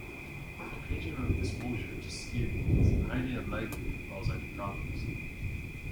Occasional exposure to skin is highly unlikely to cause any problems.